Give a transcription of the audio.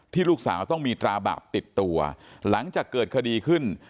ลูกสาวต้องมีตราบาปติดตัวหลังจากเกิดคดีขึ้น